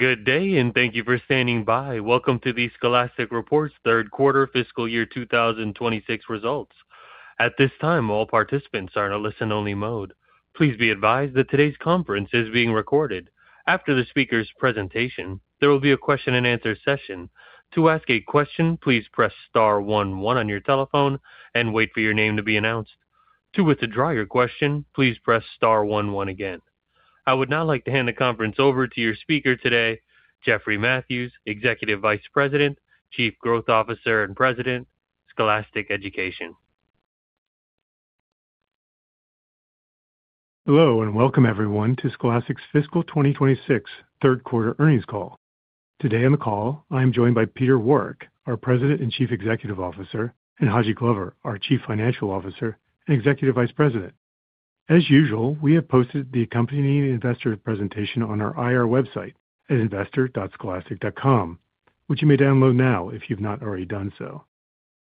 Good day, and thank you for standing by. Welcome to the Scholastic reports third quarter fiscal year 2026 results. At this time, all participants are in a listen-only mode. Please be advised that today's conference is being recorded. After the speaker's presentation, there will be a question-and-answer session. To ask a question, please press star one one on your telephone and wait for your name to be announced. To withdraw your question, please press star one one again. I would now like to hand the conference over to your speaker today, Jeffrey Mathews, Executive Vice President, Chief Growth Officer and President, Scholastic Education. Hello, and welcome everyone to Scholastic's fiscal 2026 third quarter earnings call. Today on the call, I am joined by Peter Warwick, our President and Chief Executive Officer, and Haji Glover, our Chief Financial Officer and Executive Vice President. As usual, we have posted the accompanying investor presentation on our IR website at investor.scholastic.com, which you may download now if you've not already done so.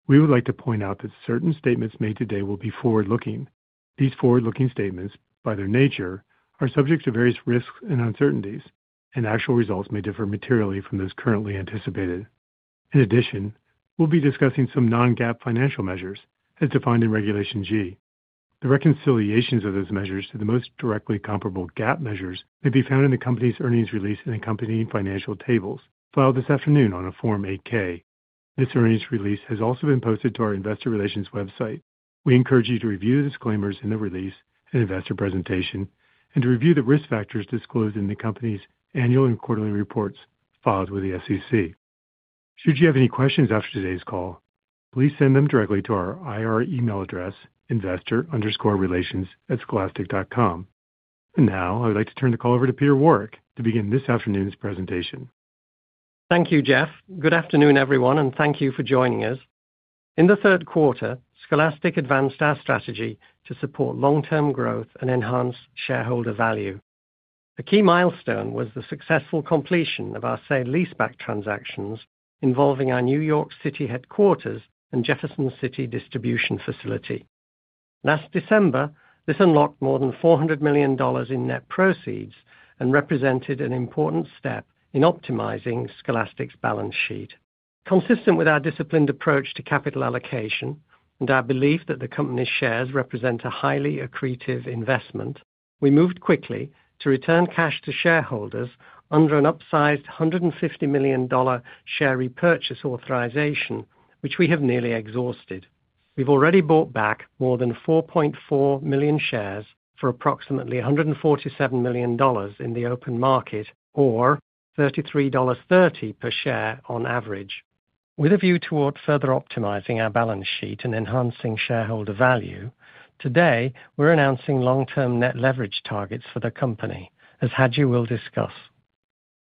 We would like to point out that certain statements made today will be forward-looking. These forward-looking statements, by their nature, are subject to various risks and uncertainties, and actual results may differ materially from those currently anticipated. In addition, we'll be discussing some non-GAAP financial measures as defined in Regulation G. The reconciliations of those measures to the most directly comparable GAAP measures may be found in the company's earnings release and accompanying financial tables filed this afternoon on a Form 8-K. This earnings release has also been posted to our investor relations website. We encourage you to review the disclaimers in the release and investor presentation and to review the risk factors disclosed in the company's annual and quarterly reports filed with the SEC. Should you have any questions after today's call, please send them directly to our IR email address, investor_relations@scholastic.com. Now, I would like to turn the call over to Peter Warwick to begin this afternoon's presentation. Thank you, Jeff. Good afternoon, everyone, and thank you for joining us. In the third quarter, Scholastic advanced our strategy to support long-term growth and enhance shareholder value. A key milestone was the successful completion of our sale leaseback transactions involving our New York City headquarters and Jefferson City distribution facility. Last December, this unlocked more than $400 million in net proceeds and represented an important step in optimizing Scholastic's balance sheet. Consistent with our disciplined approach to capital allocation and our belief that the company's shares represent a highly accretive investment, we moved quickly to return cash to shareholders under an upsized $150 million share repurchase authorization, which we have nearly exhausted. We've already bought back more than 4.4 million shares for approximately $147 million in the open market or $33.30 per share on average. With a view toward further optimizing our balance sheet and enhancing shareholder value, today we're announcing long-term net leverage targets for the company, as Haji will discuss.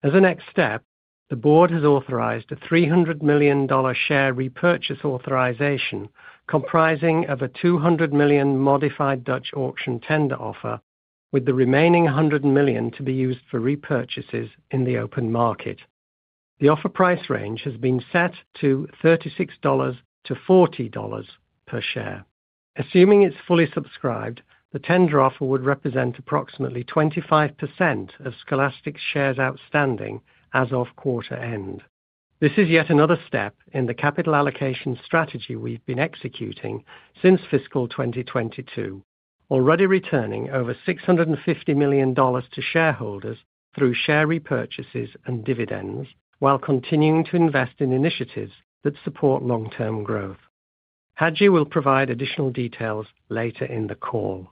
As a next step, the board has authorized a $300 million share repurchase authorization comprising of a $200 million modified Dutch auction tender offer, with the remaining $100 million to be used for repurchases in the open market. The offer price range has been set to $36-$40 per share. Assuming it's fully subscribed, the tender offer would represent approximately 25% of Scholastic shares outstanding as of quarter end. This is yet another step in the capital allocation strategy we've been executing since fiscal 2022, already returning over $650 million to shareholders through share repurchases and dividends while continuing to invest in initiatives that support long-term growth. Haji will provide additional details later in the call.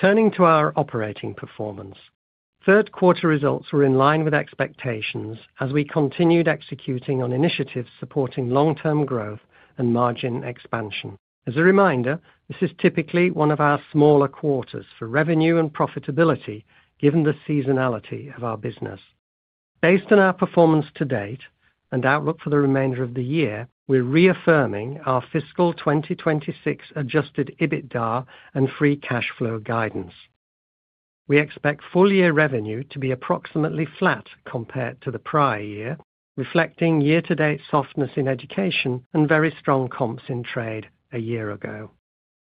Turning to our operating performance, third quarter results were in line with expectations as we continued executing on initiatives supporting long-term growth and margin expansion. As a reminder, this is typically one of our smaller quarters for revenue and profitability given the seasonality of our business. Based on our performance to date and outlook for the remainder of the year, we're reaffirming our fiscal 2026 adjusted EBITDA and free cash flow guidance. We expect full year revenue to be approximately flat compared to the prior year, reflecting year-to-date softness in education and very strong comps in trade a year ago.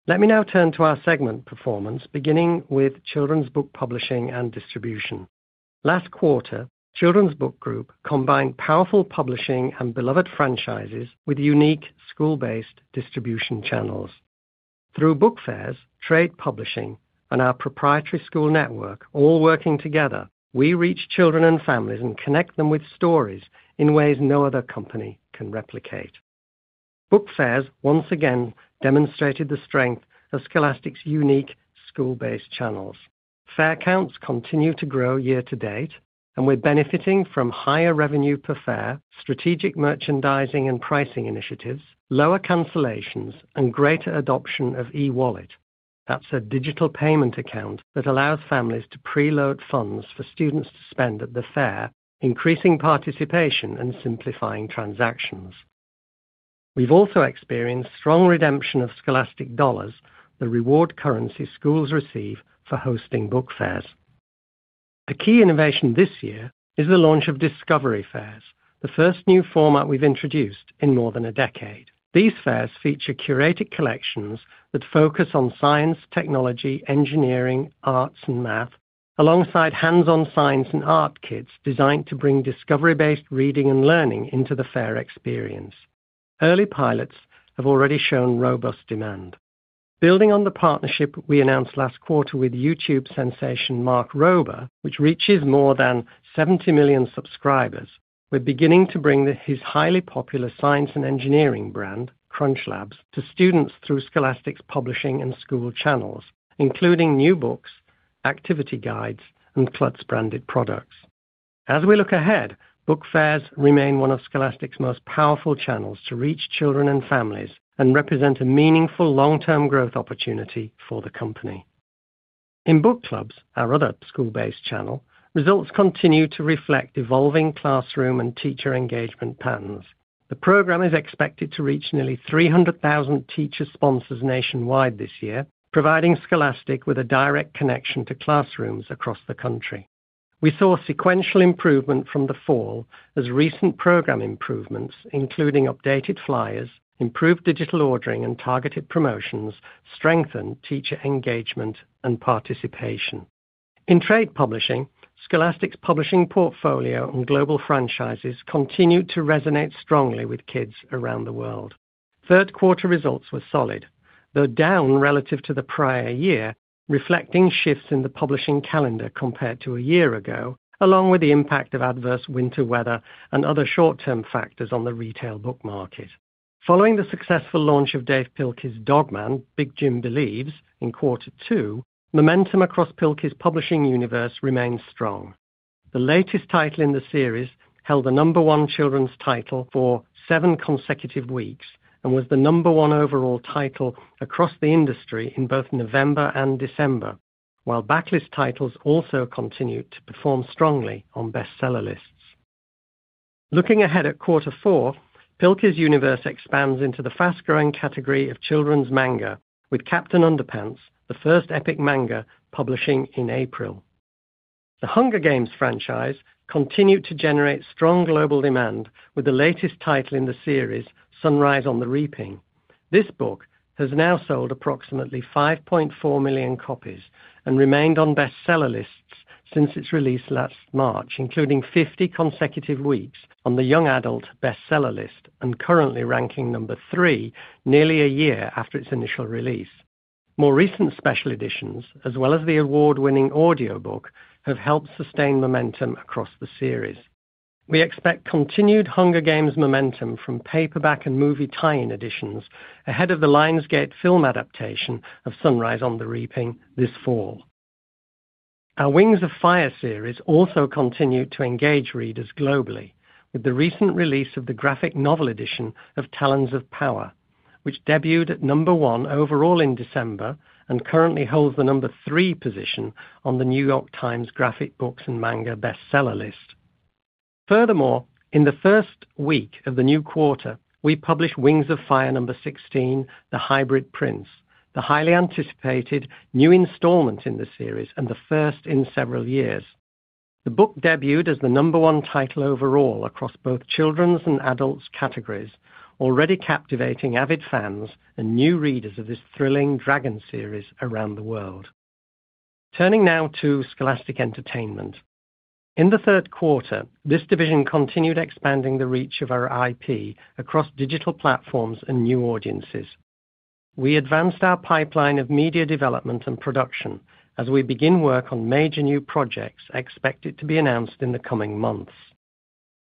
Let me now turn to our segment performance, beginning with children's book publishing and distribution. Last quarter, Children's Book Group combined powerful publishing and beloved franchises with unique school-based distribution channels. Through Book Fairs, Trade Publishing, and our proprietary school network all working together, we reach children and families and connect them with stories in ways no other company can replicate. Book Fairs once again demonstrated the strength of Scholastic's unique school-based channels. Fair counts continue to grow year to date, and we're benefiting from higher revenue per fair, strategic merchandising and pricing initiatives, lower cancellations, and greater adoption of eWallet. That's a digital payment account that allows families to preload funds for students to spend at the fair, increasing participation and simplifying transactions. We've also experienced strong redemption of Scholastic Dollars, the reward currency schools receive for hosting book fairs. A key innovation this year is the launch of Discovery Fairs, the first new format we've introduced in more than a decade. These fairs feature curated collections that focus on science, technology, engineering, arts, and math, alongside hands-on science and art kits designed to bring discovery-based reading and learning into the fair experience. Early pilots have already shown robust demand. Building on the partnership we announced last quarter with YouTube sensation Mark Rober, which reaches more than 70 million subscribers. We're beginning to bring his highly popular science and engineering brand, CrunchLabs, to students through Scholastic's publishing and school channels, including new books, activity guides, and clubs branded products. As we look ahead, book fairs remain one of Scholastic's most powerful channels to reach children and families and represent a meaningful long-term growth opportunity for the company. In book clubs, our other school-based channel, results continue to reflect evolving classroom and teacher engagement patterns. The program is expected to reach nearly 300,000 teacher sponsors nationwide this year, providing Scholastic with a direct connection to classrooms across the country. We saw sequential improvement from the fall as recent program improvements, including updated flyers, improved digital ordering, and targeted promotions, strengthened teacher engagement and participation. In trade publishing, Scholastic's publishing portfolio and global franchises continued to resonate strongly with kids around the world. Third quarter results were solid, though down relative to the prior year, reflecting shifts in the publishing calendar compared to a year ago, along with the impact of adverse winter weather and other short-term factors on the retail book market. Following the successful launch of Dav Pilkey's Dog Man: Big Jim Believes in quarter two, momentum across Pilkey's publishing universe remains strong. The latest title in the series held the number one children's title for seven consecutive weeks and was the number one overall title across the industry in both November and December, while backlist titles also continued to perform strongly on bestseller lists. Looking ahead at quarter four, Pilkey's universe expands into the fast-growing category of children's manga with Captain Underpants, the first epic manga publishing in April. The Hunger Games franchise continued to generate strong global demand with the latest title in the series, Sunrise on the Reaping. This book has now sold approximately 5.4 million copies and remained on bestseller lists since its release last March, including 50 consecutive weeks on the Young Adult Best Seller list and currently ranking number three nearly a year after its initial release. More recent special editions, as well as the award-winning audiobook, have helped sustain momentum across the series. We expect continued Hunger Games momentum from paperback and movie tie-in editions ahead of the Lionsgate film adaptation of Sunrise on the Reaping this fall. Our Wings of Fire series also continued to engage readers globally with the recent release of the graphic novel edition of Talons of Power, which debuted at number one overall in December and currently holds the number three position on the New York Times Graphic Books and Manga bestseller list. Furthermore, in the first week of the new quarter, we published Wings of Fire number 16, The Hybrid Prince, the highly anticipated new installment in the series and the first in several years. The book debuted as the number one title overall across both children's and adults categories, already captivating avid fans and new readers of this thrilling dragon series around the world. Turning now to Scholastic Entertainment. In the third quarter, this division continued expanding the reach of our IP across digital platforms and new audiences. We advanced our pipeline of media development and production as we begin work on major new projects expected to be announced in the coming months.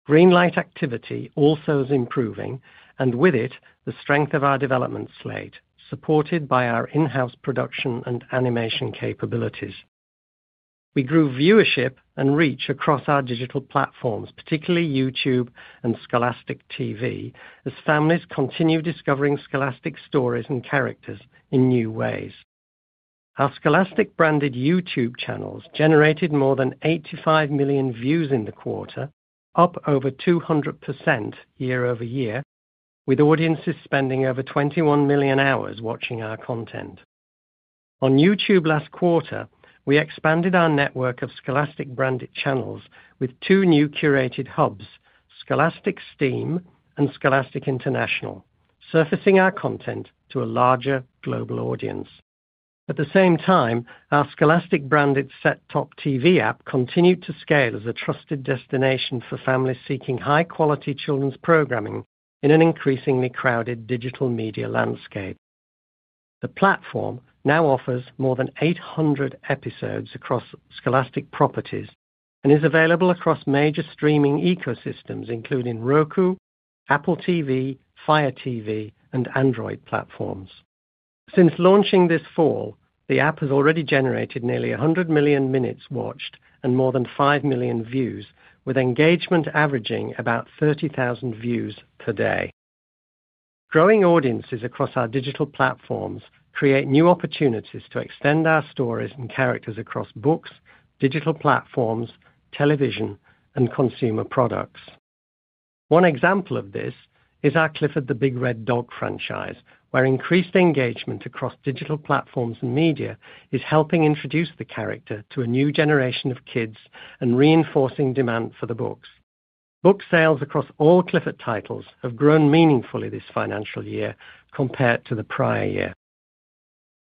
Greenlight activity also is improving, and with it, the strength of our development slate, supported by our in-house production and animation capabilities. We grew viewership and reach across our digital platforms, particularly YouTube and Scholastic TV, as families continue discovering Scholastic stories and characters in new ways. Our Scholastic-branded YouTube channels generated more than 85 million views in the quarter, up over 200% year-over-year, with audiences spending over 21 million hours watching our content. On YouTube last quarter, we expanded our network of Scholastic-branded channels with two new curated hubs, Scholastic STEAM and Scholastic International, surfacing our content to a larger global audience. At the same time, our Scholastic-branded set-top TV app continued to scale as a trusted destination for families seeking high-quality children's programming in an increasingly crowded digital media landscape. The platform now offers more than 800 episodes across Scholastic properties and is available across major streaming ecosystems, including Roku, Apple TV, Fire TV, and Android platforms. Since launching this fall, the app has already generated nearly 100 million minutes watched and more than 5 million views, with engagement averaging about 30,000 views per day. Growing audiences across our digital platforms create new opportunities to extend our stories and characters across books, digital platforms, television, and consumer products. One example of this is our Clifford the Big Red Dog franchise, where increased engagement across digital platforms and media is helping introduce the character to a new generation of kids and reinforcing demand for the books. Book sales across all Clifford titles have grown meaningfully this financial year compared to the prior year.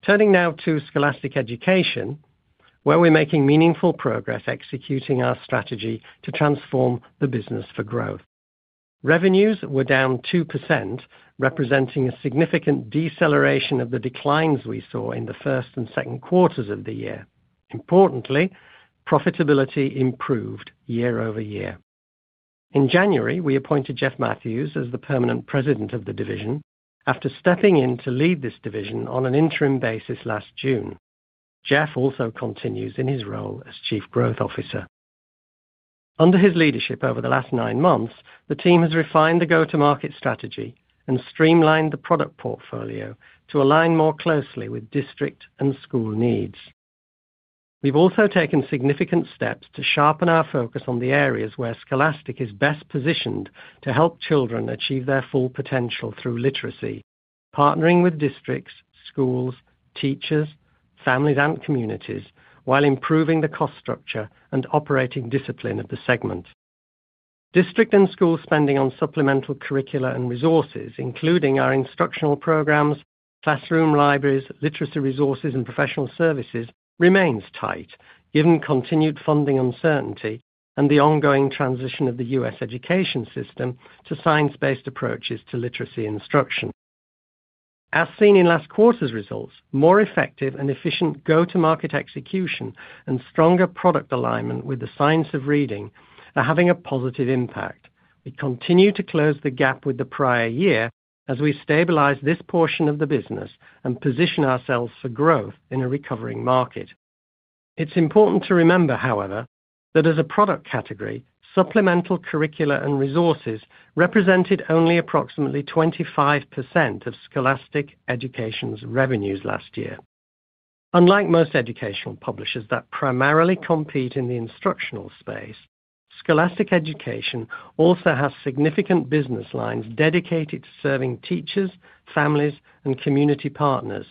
Turning now to Scholastic Education, where we're making meaningful progress executing our strategy to transform the business for growth. Revenues were down 2%, representing a significant deceleration of the declines we saw in the first and second quarters of the year. Importantly, profitability improved year-over-year. In January, we appointed Jeff Mathews as the permanent president of the division after stepping in to lead this division on an interim basis last June. Jeff also continues in his role as Chief Growth Officer. Under his leadership over the last nine months, the team has refined the go-to-market strategy and streamlined the product portfolio to align more closely with district and school needs. We've also taken significant steps to sharpen our focus on the areas where Scholastic is best positioned to help children achieve their full potential through literacy, partnering with districts, schools, teachers, families, and communities while improving the cost structure and operating discipline of the segment. District and school spending on supplemental curricula and resources, including our instructional programs, classroom libraries, literacy resources, and professional services, remains tight given continued funding uncertainty and the ongoing transition of the U.S. education system to science-based approaches to literacy instruction. As seen in last quarter's results, more effective and efficient go-to-market execution and stronger product alignment with the science of reading are having a positive impact. We continue to close the gap with the prior year as we stabilize this portion of the business and position ourselves for growth in a recovering market. It's important to remember, however, that as a product category, supplemental curricula and resources represented only approximately 25% of Scholastic Education's revenues last year. Unlike most educational publishers that primarily compete in the instructional space, Scholastic Education also has significant business lines dedicated to serving teachers, families, and community partners,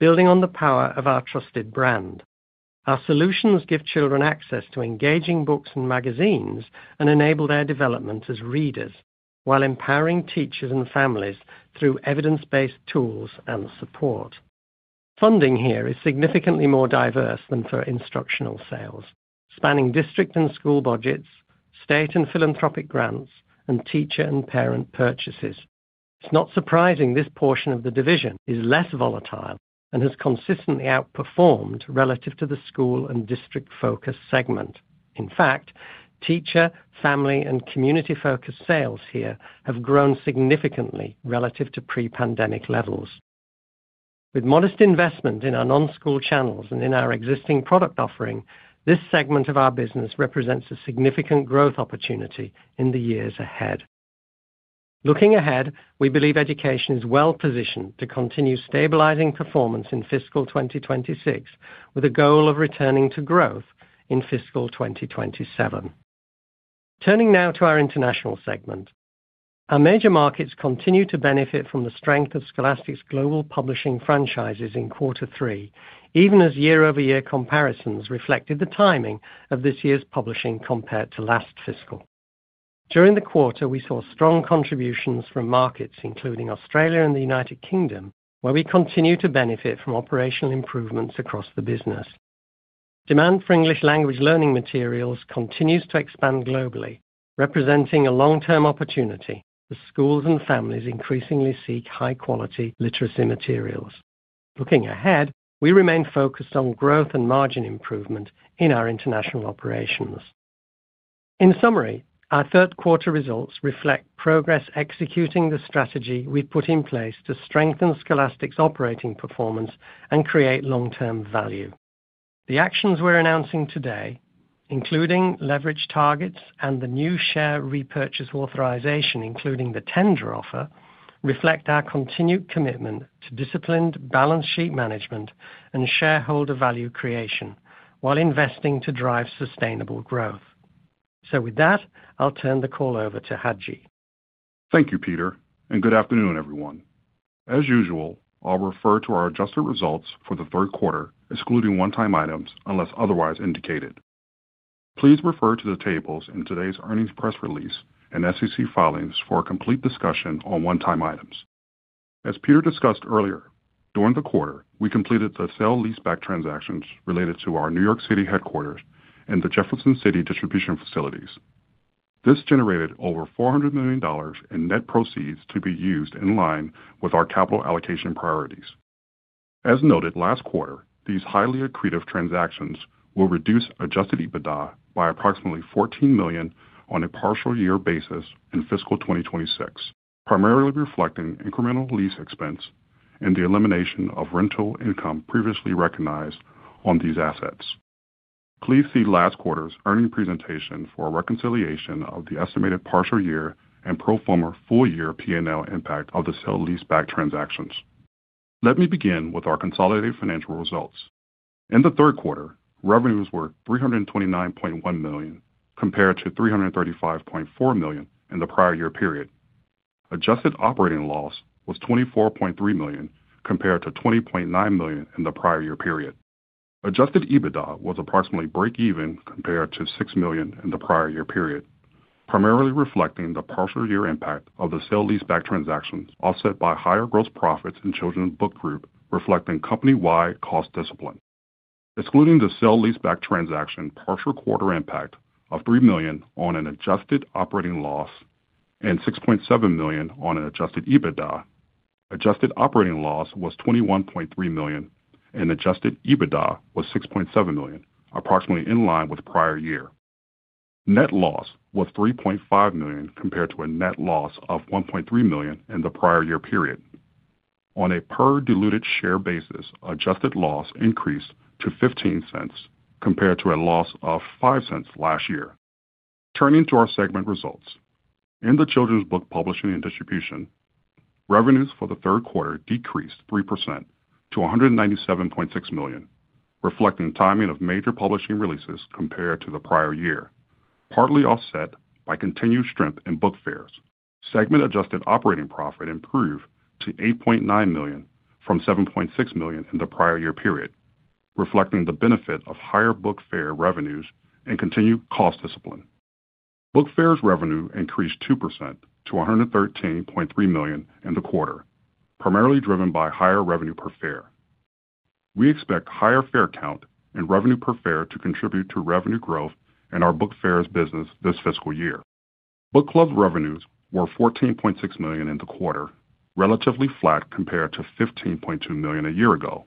building on the power of our trusted brand. Our solutions give children access to engaging books and magazines and enable their development as readers while empowering teachers and families through evidence-based tools and support. Funding here is significantly more diverse than for instructional sales, spanning district and school budgets, state and philanthropic grants, and teacher and parent purchases. It's not surprising this portion of the division is less volatile and has consistently outperformed relative to the school and district focus segment. In fact, teacher, family, and community-focused sales here have grown significantly relative to pre-pandemic levels. With modest investment in our non-school channels and in our existing product offering, this segment of our business represents a significant growth opportunity in the years ahead. Looking ahead, we believe education is well positioned to continue stabilizing performance in fiscal 2026, with a goal of returning to growth in fiscal 2027. Turning now to our international segment. Our major markets continue to benefit from the strength of Scholastic's global publishing franchises in quarter three, even as year-over-year comparisons reflected the timing of this year's publishing compared to last fiscal. During the quarter, we saw strong contributions from markets including Australia and the United Kingdom, where we continue to benefit from operational improvements across the business. Demand for English language learning materials continues to expand globally, representing a long-term opportunity as schools and families increasingly seek high-quality literacy materials. Looking ahead, we remain focused on growth and margin improvement in our international operations. In summary, our third quarter results reflect progress executing the strategy we put in place to strengthen Scholastic's operating performance and create long-term value. The actions we're announcing today, including leverage targets and the new share repurchase authorization, including the tender offer, reflect our continued commitment to disciplined balance sheet management and shareholder value creation while investing to drive sustainable growth. With that, I'll turn the call over to Haji. Thank you, Peter, and good afternoon, everyone. As usual, I'll refer to our adjusted results for the third quarter, excluding one-time items, unless otherwise indicated. Please refer to the tables in today's earnings press release and SEC filings for a complete discussion on one-time items. As Peter discussed earlier, during the quarter, we completed the sale leaseback transactions related to our New York City headquarters and the Jefferson City distribution facilities. This generated over $400 million in net proceeds to be used in line with our capital allocation priorities. As noted last quarter, these highly accretive transactions will reduce adjusted EBITDA by approximately $14 million on a partial year basis in fiscal 2026, primarily reflecting incremental lease expense and the elimination of rental income previously recognized on these assets. Please see last quarter's earnings presentation for a reconciliation of the estimated partial year and pro forma full year P&L impact of the sale leaseback transactions. Let me begin with our consolidated financial results. In the third quarter, revenues were $329.1 million, compared to $335.4 million in the prior year period. Adjusted operating loss was $24.3 million, compared to $20.9 million in the prior year period. Adjusted EBITDA was approximately break even compared to $6 million in the prior year period. Primarily reflecting the partial year impact of the sale leaseback transactions, offset by higher gross profits in Children's Book Group, reflecting company-wide cost discipline. Excluding the sale leaseback transaction partial quarter impact of $3 million on an adjusted operating loss and $6.7 million on an adjusted EBITDA. Adjusted operating loss was $21.3 million, and adjusted EBITDA was $6.7 million, approximately in line with prior year. Net loss was $3.5 million compared to a net loss of $1.3 million in the prior year period. On a per diluted share basis, adjusted loss increased to $0.15 compared to a loss of $0.05 last year. Turning to our segment results. In the children's book publishing and distribution, revenues for the third quarter decreased 3% to $197.6 million, reflecting timing of major publishing releases compared to the prior year, partly offset by continued strength in book fairs. Segment adjusted operating profit improved to $8.9 million from $7.6 million in the prior year period, reflecting the benefit of higher book fair revenues and continued cost discipline. Book Fairs revenue increased 2% to $113.3 million in the quarter, primarily driven by higher revenue per fair. We expect higher fair count and revenue per fair to contribute to revenue growth in our Book Fairs business this fiscal year. Book Clubs revenues were $14.6 million in the quarter, relatively flat compared to $15.2 million a year ago,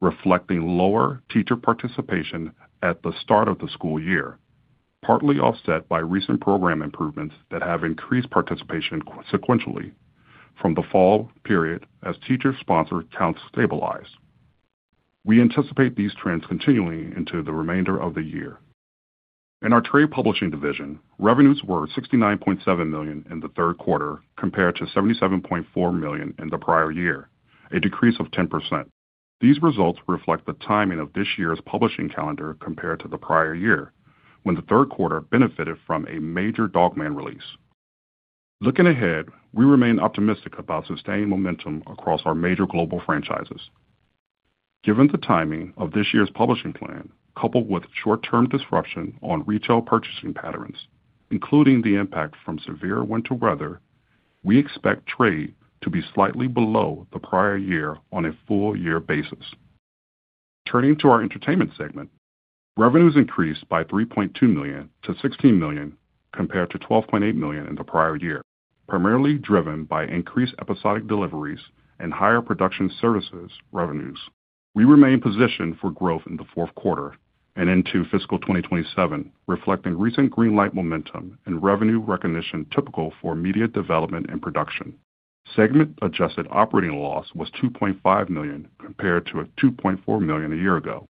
reflecting lower teacher participation at the start of the school year, partly offset by recent program improvements that have increased participation sequentially from the fall period as teacher sponsor counts stabilize. We anticipate these trends continuing into the remainder of the year. In our Trade Publishing division, revenues were $69.7 million in the third quarter compared to $77.4 million in the prior year, a decrease of 10%. These results reflect the timing of this year's publishing calendar compared to the prior year, when the third quarter benefited from a major Dog Man release. Looking ahead, we remain optimistic about sustained momentum across our major global franchises. Given the timing of this year's publishing plan, coupled with short-term disruption on retail purchasing patterns, including the impact from severe winter weather, we expect trade to be slightly below the prior year on a full year basis. Turning to our entertainment segment. Revenues increased by $3.2 million to $16 million compared to $12.8 million in the prior year, primarily driven by increased episodic deliveries and higher production services revenues. We remain positioned for growth in the fourth quarter and into fiscal 2027, reflecting recent green light momentum and revenue recognition typical for media development and production. Segment adjusted operating loss was $2.5 million compared to $2.4 million a year ago.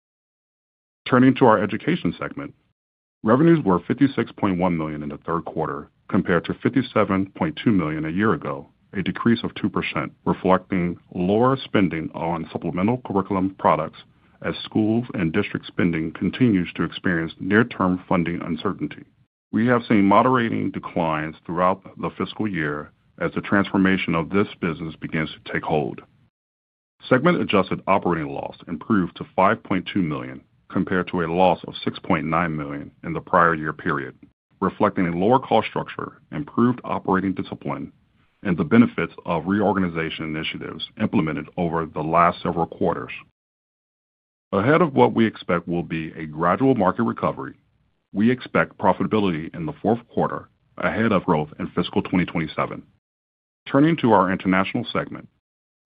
Turning to our education segment. Revenues were $56.1 million in the third quarter compared to $57.2 million a year ago, a decrease of 2%, reflecting lower spending on supplemental curriculum products as schools and district spending continues to experience near-term funding uncertainty. We have seen moderating declines throughout the fiscal year as the transformation of this business begins to take hold. Segment adjusted operating loss improved to $5.2 million compared to a loss of $6.9 million in the prior year period, reflecting a lower cost structure, improved operating discipline, and the benefits of reorganization initiatives implemented over the last several quarters. Ahead of what we expect will be a gradual market recovery, we expect profitability in the fourth quarter ahead of growth in fiscal 2027. Turning to our international segment.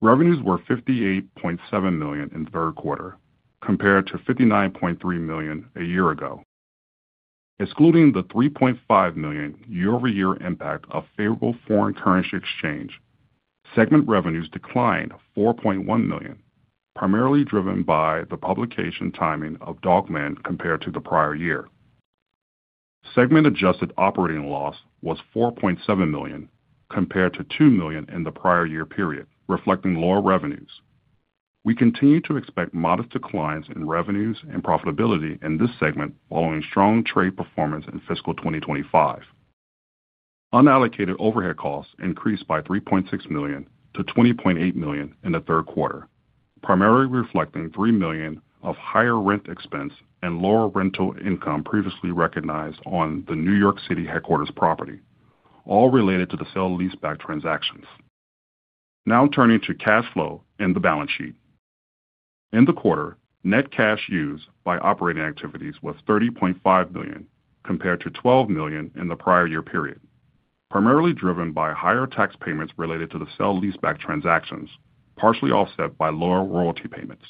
Revenues were $58.7 million in the third quarter compared to $59.3 million a year ago. Excluding the $3.5 million year-over-year impact of favorable foreign currency exchange, segment revenues declined $4.1 million, primarily driven by the publication timing of Dog Man compared to the prior year. Segment adjusted operating loss was $4.7 million compared to $2 million in the prior year period, reflecting lower revenues. We continue to expect modest declines in revenues and profitability in this segment following strong trade performance in fiscal 2025. Unallocated overhead costs increased by $3.6 million to $20.8 million in the third quarter, primarily reflecting $3 million of higher rent expense and lower rental income previously recognized on the New York City headquarters property, all related to the sale leaseback transactions. Now turning to cash flow and the balance sheet. In the quarter, net cash used by operating activities was $30.5 million compared to $12 million in the prior year period, primarily driven by higher tax payments related to the sale leaseback transactions, partially offset by lower royalty payments.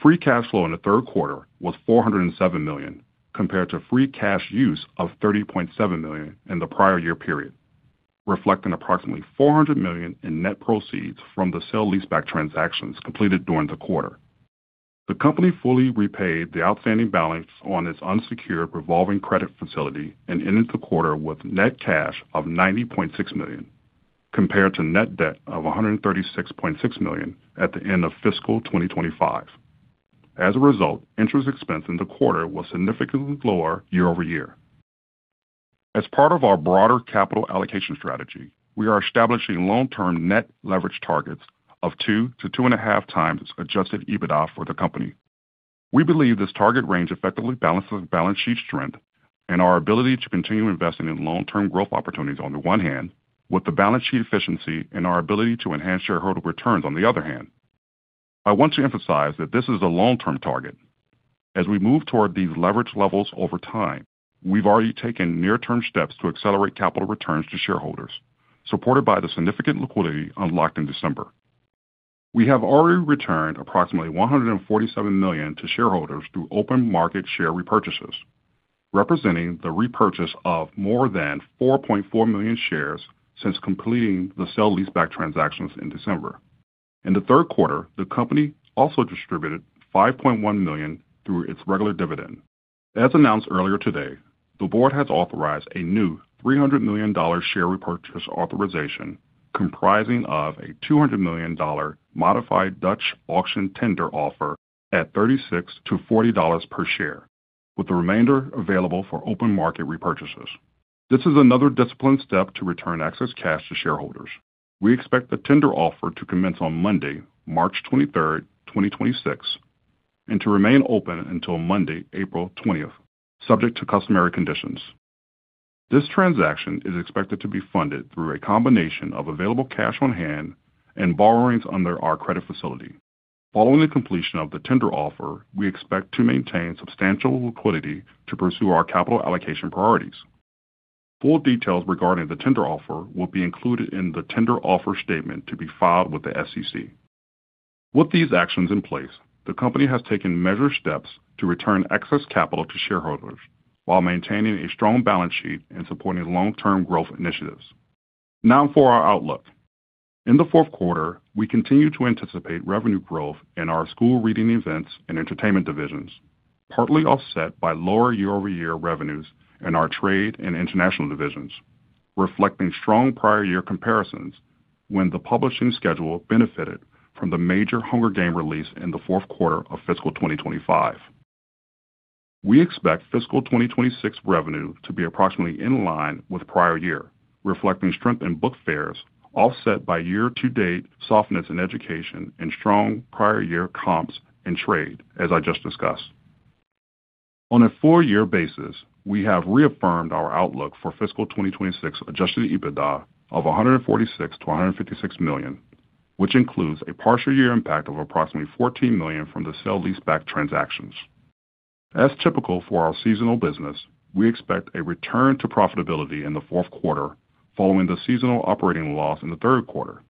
Free cash flow in the third quarter was $407 million compared to free cash use of $30.7 million in the prior year period, reflecting approximately $400 million in net proceeds from the sale leaseback transactions completed during the quarter. The company fully repaid the outstanding balance on its unsecured revolving credit facility and ended the quarter with net cash of $90.6 million compared to net debt of $136.6 million at the end of fiscal 2025. As a result, interest expense in the quarter was significantly lower year-over-year. As part of our broader capital allocation strategy, we are establishing long-term net leverage targets of 2x-2.5x Adjusted EBITDA for the company. We believe this target range effectively balances balance sheet strength and our ability to continue investing in long-term growth opportunities on the one hand, with the balance sheet efficiency and our ability to enhance shareholder returns on the other hand. I want to emphasize that this is a long-term target. As we move toward these leverage levels over time, we've already taken near-term steps to accelerate capital returns to shareholders, supported by the significant liquidity unlocked in December. We have already returned approximately $147 million to shareholders through open market share repurchases, representing the repurchase of more than 4.4 million shares since completing the sale leaseback transactions in December. In the third quarter, the company also distributed $5.1 million through its regular dividend. As announced earlier today, the board has authorized a new $300 million share repurchase authorization comprising of a $200 million modified Dutch auction tender offer at $36-$40 per share, with the remainder available for open market repurchases. This is another disciplined step to return excess cash to shareholders. We expect the tender offer to commence on Monday, March 23rd, 2026, and to remain open until Monday, April 20th, subject to customary conditions. This transaction is expected to be funded through a combination of available cash on hand and borrowings under our credit facility. Following the completion of the tender offer, we expect to maintain substantial liquidity to pursue our capital allocation priorities. Full details regarding the tender offer will be included in the tender offer statement to be filed with the SEC. With these actions in place, the company has taken measured steps to return excess capital to shareholders while maintaining a strong balance sheet and supporting long-term growth initiatives. Now for our outlook. In the fourth quarter, we continue to anticipate revenue growth in our school reading events and entertainment divisions, partly offset by lower year-over-year revenues in our trade and international divisions, reflecting strong prior year comparisons when the publishing schedule benefited from the major Hunger Games release in the fourth quarter of fiscal 2025. We expect fiscal 2026 revenue to be approximately in line with prior year, reflecting strength in book fairs, offset by year-to-date softness in education and strong prior year comps and trade, as I just discussed. On a full-year basis, we have reaffirmed our outlook for fiscal 2026 adjusted EBITDA of $146 million-$156 million, which includes a partial year impact of approximately $14 million from the sale-leaseback transactions. As typical for our seasonal business, we expect a return to profitability in the fourth quarter following the seasonal operating loss in the third quarter.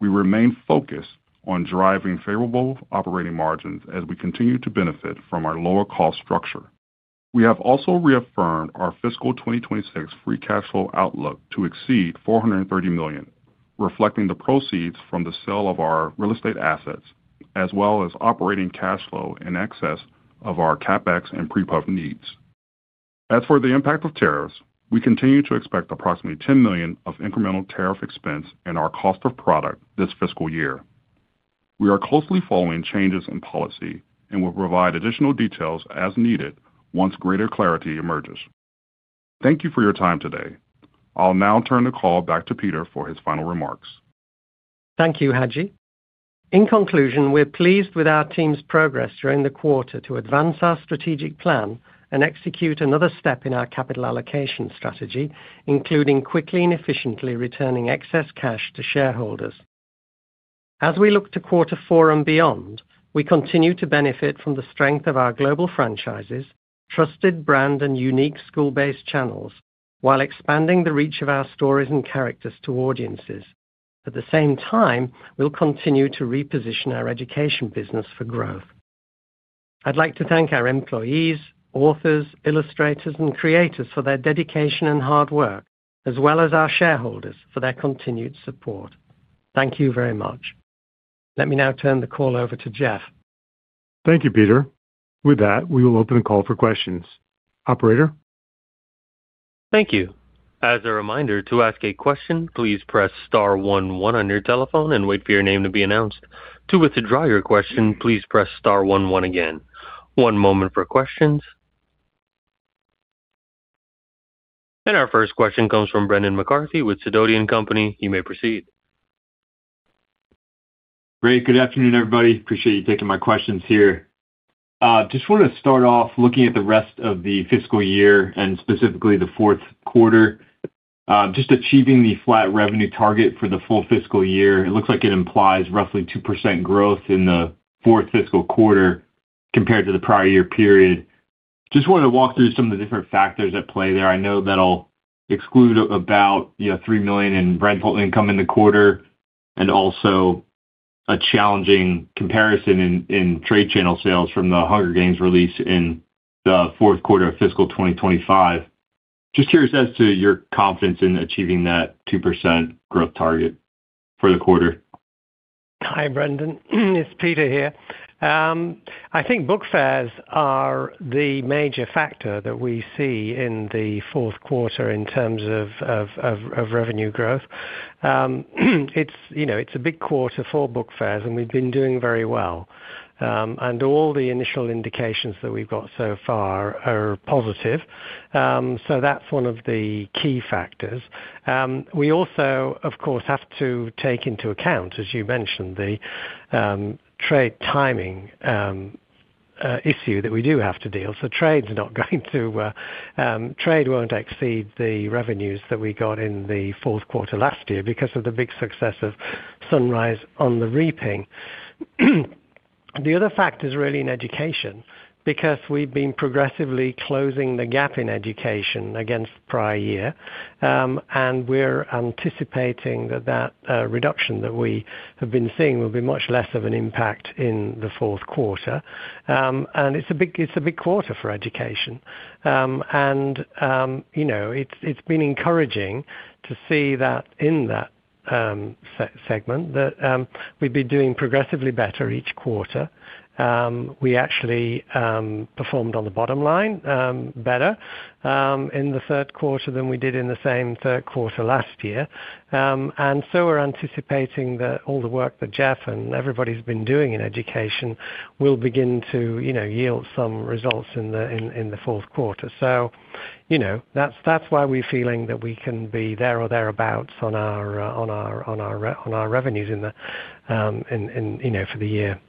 We remain focused on driving favorable operating margins as we continue to benefit from our lower cost structure. We have also reaffirmed our fiscal 2026 free cash flow outlook to exceed $430 million, reflecting the proceeds from the sale of our real estate assets as well as operating cash flow in excess of our CapEx and prepayment needs. As for the impact of tariffs, we continue to expect approximately $10 million of incremental tariff expense in our cost of product this fiscal year. We are closely following changes in policy and will provide additional details as needed once greater clarity emerges. Thank you for your time today. I'll now turn the call back to Peter for his final remarks. Thank you, Haji. In conclusion, we're pleased with our team's progress during the quarter to advance our strategic plan and execute another step in our capital allocation strategy, including quickly and efficiently returning excess cash to shareholders. As we look to quarter four and beyond, we continue to benefit from the strength of our global franchises, trusted brand, and unique school-based channels while expanding the reach of our stories and characters to audiences. At the same time, we'll continue to reposition our education business for growth. I'd like to thank our employees, authors, illustrators, and creators for their dedication and hard work, as well as our shareholders for their continued support. Thank you very much. Let me now turn the call over to Jeff. Thank you, Peter. With that, we will open the call for questions. Operator? Thank you. As a reminder, to ask a question, please press star one one on your telephone and wait for your name to be announced. To withdraw your question, please press star one one again. One moment for questions. Our first question comes from Brendan McCarthy with Sidoti & Company. You may proceed. Great. Good afternoon, everybody. Appreciate you taking my questions here. Just want to start off looking at the rest of the fiscal year and specifically the fourth quarter. Just achieving the flat revenue target for the full fiscal year, it looks like it implies roughly 2% growth in the fourth fiscal quarter compared to the prior year period. Just want to walk through some of the different factors at play there. I know that'll exclude about, you know, $3 million in rental income in the quarter and also a challenging comparison in trade channel sales from the Hunger Games release in the fourth quarter of fiscal 2025. Just curious as to your confidence in achieving that 2% growth target for the quarter. Hi, Brendan. It's Peter here. I think Book Fairs are the major factor that we see in the fourth quarter in terms of revenue growth. It's you know it's a big quarter for Book Fairs, and we've been doing very well. All the initial indications that we've got so far are positive. That's one of the key factors. We also of course have to take into account, as you mentioned, the trade timing issue that we do have to deal. Trade won't exceed the revenues that we got in the fourth quarter last year because of the big success of Sunrise on the Reaping. The other factor is really in Education, because we've been progressively closing the gap in Education against prior year. We're anticipating that reduction that we have been seeing will be much less of an impact in the fourth quarter. It's a big quarter for education. You know, it's been encouraging to see that in that segment that we've been doing progressively better each quarter. We actually performed on the bottom line better in the third quarter than we did in the same third quarter last year. We're anticipating that all the work that Jeff and everybody's been doing in education will begin to, you know, yield some results in the fourth quarter. You know, that's why we're feeling that we can be there or thereabouts on our revenues in the you know, for the year.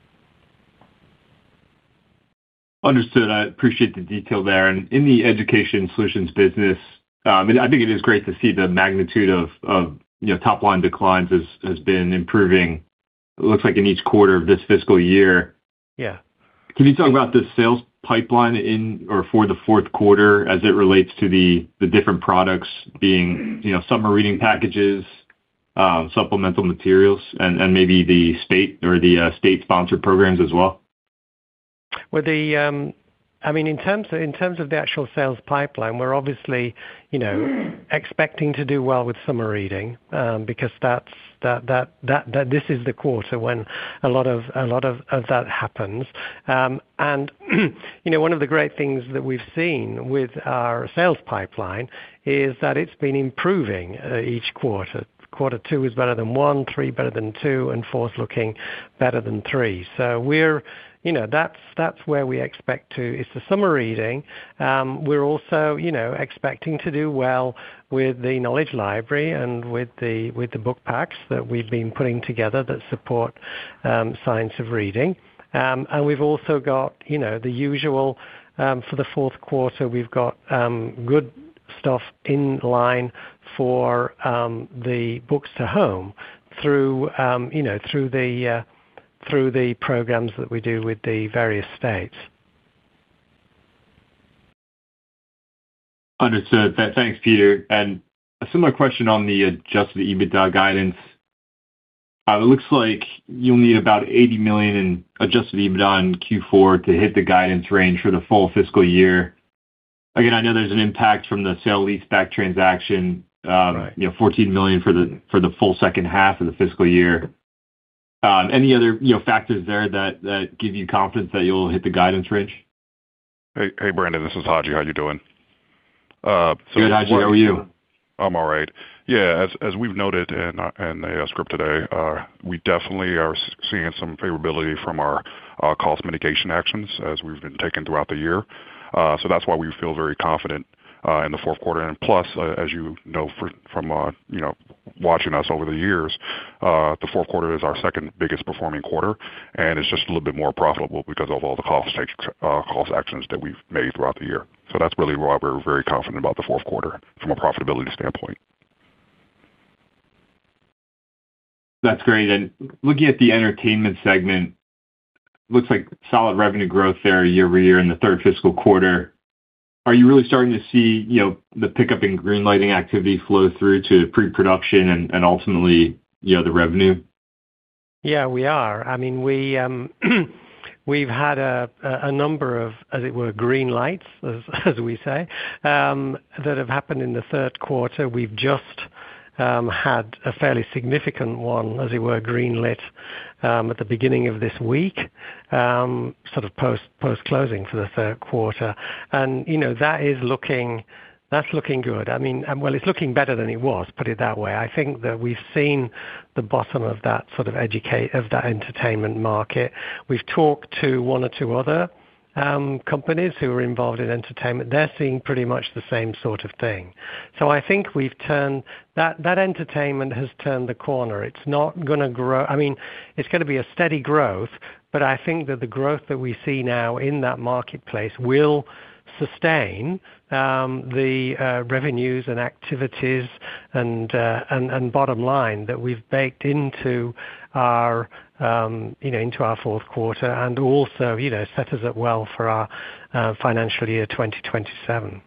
Understood. I appreciate the detail there. In the education solutions business, and I think it is great to see the magnitude of, you know, top line declines has been improving, it looks like in each quarter of this fiscal year. Yeah. Can you talk about the sales pipeline in or for the fourth quarter as it relates to the different products being, you know, summer reading packages, supplemental materials and maybe the state or the state sponsored programs as well? Well, I mean, in terms of the actual sales pipeline, we're obviously, you know, expecting to do well with summer reading, because that's this is the quarter when a lot of that happens. You know, one of the great things that we've seen with our sales pipeline is that it's been improving each quarter. Quarter two is better than quarter one, quarter three better than quarter two, and quarter four's looking better than quarter three. You know, that's where we expect to. It's the summer reading. We're also, you know, expecting to do well with the knowledge library and with the book packs that we've been putting together that support science of reading. We've also got, you know, the usual, for the fourth quarter, we've got good stuff in line for the books to home through, you know, through the programs that we do with the various states. Understood. Thanks, Peter. A similar question on the Adjusted EBITDA guidance. It looks like you'll need about $80 million in Adjusted EBITDA in Q4 to hit the guidance range for the full fiscal year. Again, I know there's an impact from the sale-leaseback transaction. Right. You know, $14 million for the full second half of the fiscal year. Any other, you know, factors there that give you confidence that you'll hit the guidance range? Hey, hey, Brendan, this is Haji. How are you doing? Good, Haji. How are you? I'm all right. Yeah, as we've noted in the script today, we definitely are seeing some favorability from our cost mitigation actions as we've been taking throughout the year. That's why we feel very confident in the fourth quarter. As you know from you know watching us over the years, the fourth quarter is our second biggest performing quarter, and it's just a little bit more profitable because of all the cost actions that we've made throughout the year. That's really why we're very confident about the fourth quarter from a profitability standpoint. That's great. Looking at the entertainment segment, looks like solid revenue growth there year-over-year in the third fiscal quarter. Are you really starting to see, you know, the pickup in green lighting activity flow through to pre-production and ultimately, you know, the revenue? Yeah, we are. I mean, we've had a number of, as it were, green lights, as we say, that have happened in the third quarter. We've just had a fairly significant one, as it were, green lit, at the beginning of this week, sort of post-closing for the third quarter. You know, that's looking good. I mean, well, it's looking better than it was, put it that way. I think that we've seen the bottom of that sort of of that entertainment market. We've talked to one or two other companies who are involved in entertainment. They're seeing pretty much the same sort of thing. I think that entertainment has turned the corner. It's not gonna grow. I mean, it's gonna be a steady growth, but I think that the growth that we see now in that marketplace will sustain the revenues and activities and bottom line that we've baked into our, you know, into our fourth quarter and also, you know, sets us up well for our financial year 2027.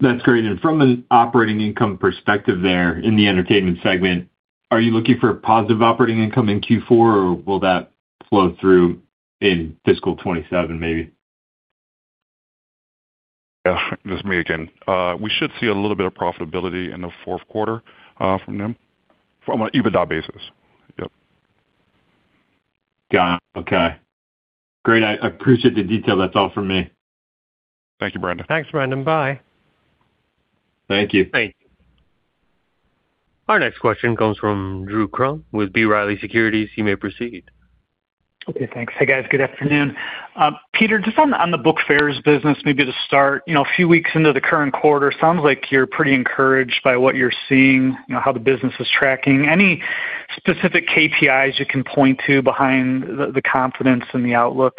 That's great. From an operating income perspective there in the entertainment segment, are you looking for a positive operating income in Q4 or will that flow through in fiscal 2027 maybe? Yeah. This is me again. We should see a little bit of profitability in the fourth quarter from an EBITDA basis. Yep. Got it. Okay. Great. I appreciate the detail. That's all from me. Thank you, Brendan. Thanks, Brendan. Bye. Thank you. Our next question comes from Drew Crum with B. Riley Securities. You may proceed. Okay, thanks. Hey, guys. Good afternoon. Peter, just on the book fairs business, maybe to start, you know, a few weeks into the current quarter, sounds like you're pretty encouraged by what you're seeing, you know, how the business is tracking. Any specific KPIs you can point to behind the confidence in the outlook?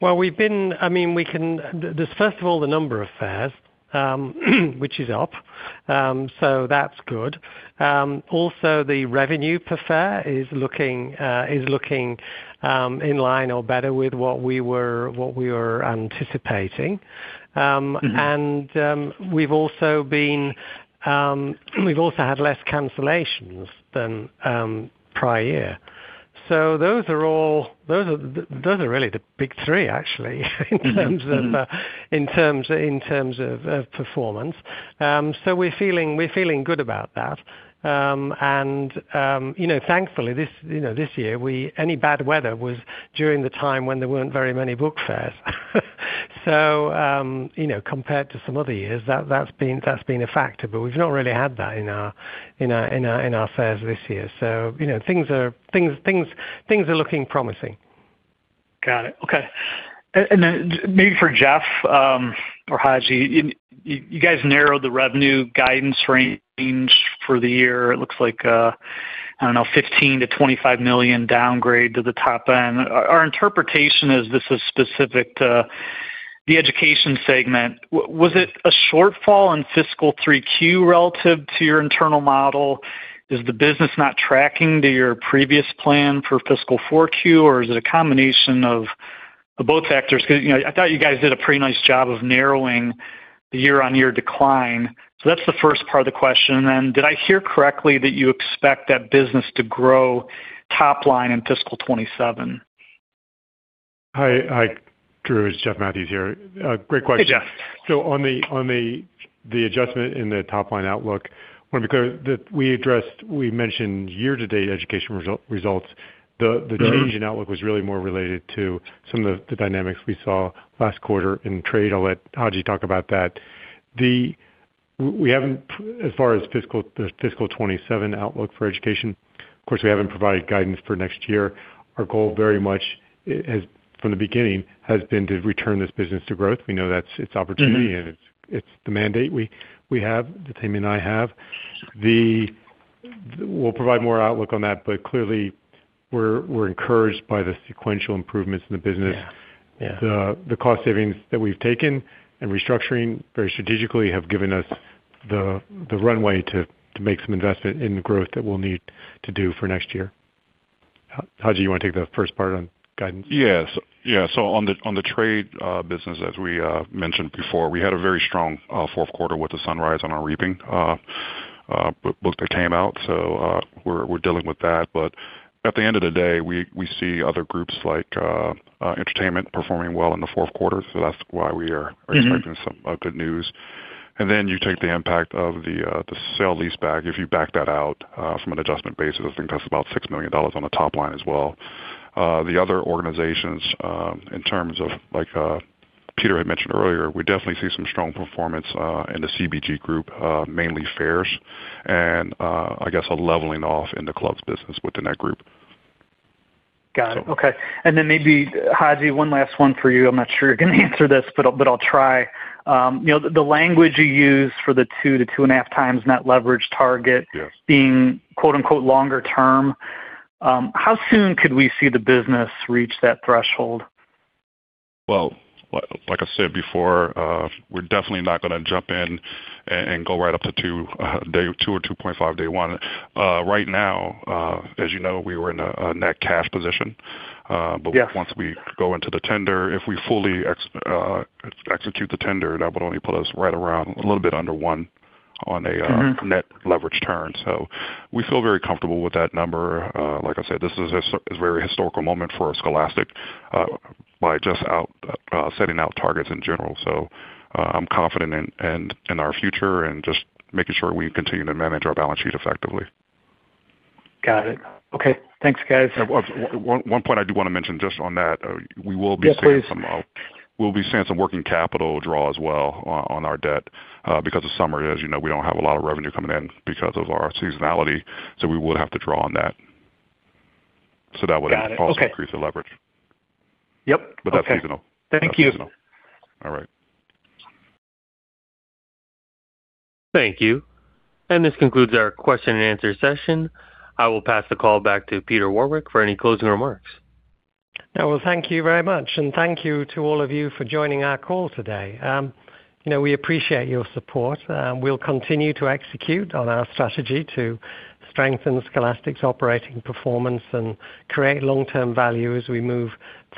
Well, there's first of all the number of fairs, which is up. That's good. Also the revenue per fair is looking in line or better with what we were anticipating. Mm-hmm. We've also had less cancellations than prior year. Those are really the big three, actually, in terms of performance. We're feeling good about that. You know, thankfully, this year, any bad weather was during the time when there weren't very many book fairs. You know, compared to some other years, that's been a factor. We've not really had that in our fairs this year. You know, things are looking promising. Got it. Okay. Then maybe for Jeff or Haji, you guys narrowed the revenue guidance range for the year. It looks like I don't know, $15 million-$25 million downgrade to the top end. Our interpretation is this is specific to the Education segment. Was it a shortfall in fiscal 3Q relative to your internal model? Is the business not tracking to your previous plan for fiscal 4Q, or is it a combination of both factors? 'Cause you know, I thought you guys did a pretty nice job of narrowing the year-on-year decline. That's the first part of the question. Then did I hear correctly that you expect that business to grow top line in fiscal 2027? Hi. Hi, Drew. It's Jeff Mathews here. Great question. Hey, Jeff. On the adjustment in the top-line outlook, wanna be clear that we addressed, we mentioned year-to-date education results. The change in- Mm-hmm. Our outlook was really more related to some of the dynamics we saw last quarter in trade. I'll let Haji talk about that. We haven't, as far as fiscal, the fiscal 2027 outlook for education, of course, we haven't provided guidance for next year. Our goal very much has, from the beginning, has been to return this business to growth. We know that's its opportunity. Mm-hmm. It's the mandate we have, that Tammy and I have. We'll provide more outlook on that, but clearly we're encouraged by the sequential improvements in the business. Yeah. Yeah. The cost savings that we've taken and restructuring very strategically have given us the runway to make some investment in the growth that we'll need to do for next year. Haji, you wanna take the first part on guidance? Yes. Yeah. On the Trade business, as we mentioned before, we had a very strong fourth quarter with the Sunrise on the Reaping book that came out. We're dealing with that. But at the end of the day, we see other groups like Entertainment performing well in the fourth quarter. That's why we are. Mm-hmm. Expecting some good news. Then you take the impact of the sale leaseback, if you back that out from an adjustment basis, I think that's about $6 million on the top line as well. The other organizations, in terms of like Peter had mentioned earlier, we definitely see some strong performance in the CBG group, mainly fairs and I guess a leveling off in the clubs business within that group. Got it. Okay. Maybe, Haji, one last one for you. I'm not sure you're gonna answer this, but I'll try. You know, the language you use for the 2x-2.5x net leverage target. Yes. Being, "longer term," how soon could we see the business reach that threshold? Well, like I said before, we're definitely not gonna jump in and go right up to 2x, day two or 2.5x day one. Right now, as you know, we were in a net cash position. Yeah. Once we go into the tender, if we fully execute the tender, that would only put us right around a little bit under one on a- Mm-hmm. Net leverage turn. We feel very comfortable with that number. Like I said, this is a very historical moment for Scholastic by setting out targets in general. I'm confident in our future and just making sure we continue to manage our balance sheet effectively. Got it. Okay. Thanks, guys. One point I do wanna mention just on that, we will be- Yes, please. We'll be seeing some working capital draw as well on our debt, because the summer, as you know, we don't have a lot of revenue coming in because of our seasonality, so we would have to draw on that. So that would- Got it. Okay. Also increase the leverage. Yep. Okay. That's seasonal. Thank you. All right. Thank you. This concludes our question and answer session. I will pass the call back to Peter Warwick for any closing remarks. Well, thank you very much, and thank you to all of you for joining our call today. You know, we appreciate your support. We'll continue to execute on our strategy to strengthen Scholastic's operating performance and create long-term value as we move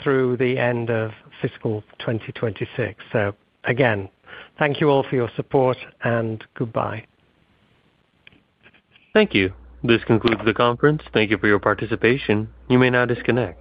through the end of fiscal 2026. Again, thank you all for your support, and goodbye. Thank you. This concludes the conference. Thank you for your participation. You may now disconnect.